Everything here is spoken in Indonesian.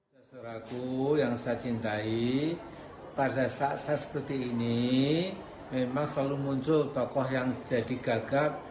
saudaraku yang saya cintai pada saat saya seperti ini memang selalu muncul tokoh yang jadi gagap